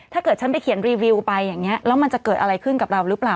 ถ้าเกิดฉันไปเขียนรีวิวไปอย่างนี้แล้วมันจะเกิดอะไรขึ้นกับเราหรือเปล่า